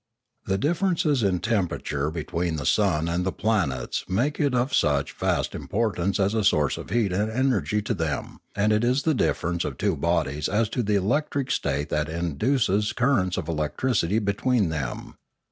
The differences in temperature between the sun and the ptanets make it of such vast importance as a source of heat and energy to them, and it is the difference of two bodies as to electric state that induces currents of electricity between them.